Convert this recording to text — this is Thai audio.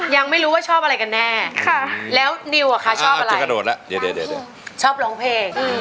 ยังไม่รู้ว่าชอบอะไรกันแน่แล้วนิวค่ะชอบอะไรชอบร้องเพลง